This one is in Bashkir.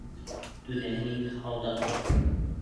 — Түҙәһең инде, һалдат.